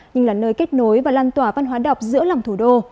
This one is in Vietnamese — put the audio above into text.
nhưng là nơi kết nối và lan tỏa văn hóa đọc giữa lòng thủ đô